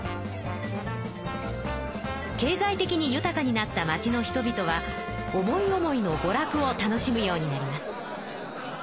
経ざい的に豊かになった町の人々は思い思いのごらくを楽しむようになります。